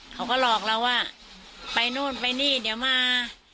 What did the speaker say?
เขาก็หลอกเราว่าไปนู่นไปนี่เดี๋ยวมา